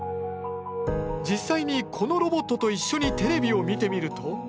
実際にこのロボットと一緒にテレビを見てみると。